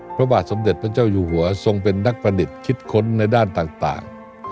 พระบาทสมเด็จพระเจ้าอยู่หัวทรงเป็นนักประดิษฐ์คิดค้นในด้านต่าง